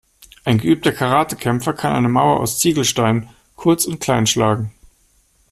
Ein geübter Karatekämpfer kann eine Mauer aus Ziegelsteinen kurz und klein schlagen.